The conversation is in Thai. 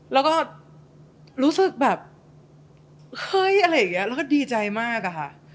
แล้วก็รู้สึกแบบเฮ้ยอะไรอย่างนี้แล้วก็ดีใจมากอะค่ะ